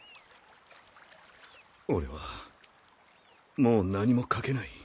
俺はもう何も書けない。